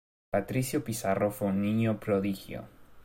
Patricio Pizarro fue un niño prodigio.